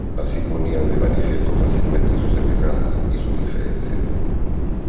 Así se ponían de manifiesto fácilmente sus semejanzas y sus diferencias.